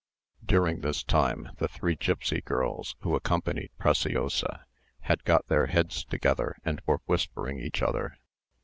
During this time, the three gipsy girls, who accompanied Preciosa, had got their heads together and were whispering each other.